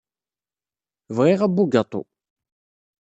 Bɣiɣ abugaṭu.